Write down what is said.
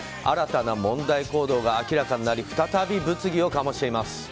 新たな問題行動が明らかになり再び物議を醸しています。